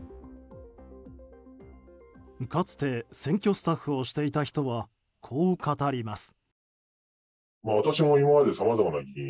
かつて選挙スタッフをしていた人はこう語ります。